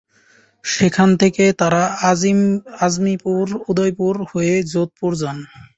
সেখান থেকে তারা আজমির, উদয়পুর হয়ে যোধপুর যান।